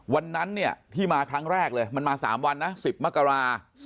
วันนั้นเนี่ยที่มาครั้งแรกเลยมันมา๓วันนะ๑๐มกรา